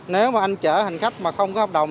nếu mà anh chở hành khách mà không có hợp đồng